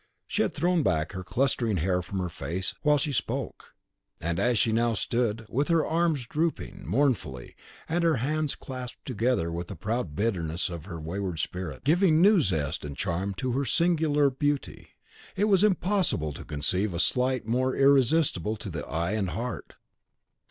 She had thrown back her clustering hair from her face while she spoke; and as she now stood, with her arms drooping mournfully, and her hands clasped together with the proud bitterness of her wayward spirit, giving new zest and charm to her singular beauty, it was impossible to conceive a sight more irresistible to the eye and the heart.